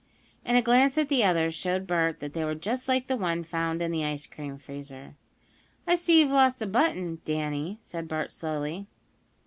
And a glance at the others showed Bert that they were just like the one found in the ice cream freezer. "I see you've lost a button, Danny," said Bert, slowly.